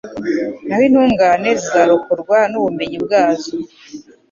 naho intungane zikarokorwa n’ubumenyi bwazo